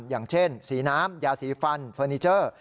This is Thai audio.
อย่างเช่นสีน้ำยาสีฟันเฟอร์นิเจอร์